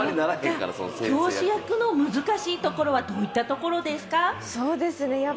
教師役の難しいところはどんなところですか？